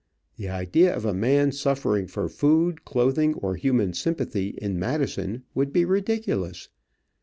The idea of a man suffering for food, clothing, or human sympathy in Madison, would be ridiculous.